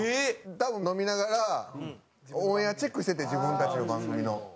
多分飲みながらオンエアチェックしてて自分たちの番組の。